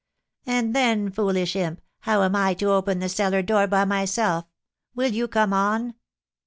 "And then, foolish imp, how am I to open the cellar door by myself? Will you come on?"